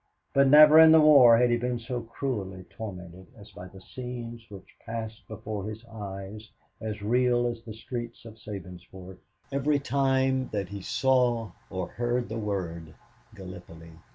But never in the war had he been so cruelly tormented as by the scenes which passed before his eyes, as real as the streets of Sabinsport, every time that he saw or heard the word "Gallipoli."